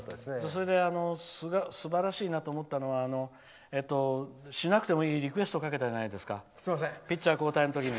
それで、すばらしいなと思ったのは、しなくてもいいリクエストかけたじゃないですかピッチャー交代の時に。